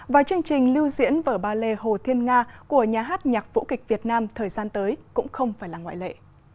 và chương trình lưu diễn vở ballet hồ thiên nga của nhà hát nhạc vũ kịch việt nam thời gian tới cũng không phải là ngoại lệ